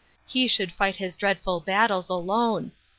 He should fight his dreadful battles alone.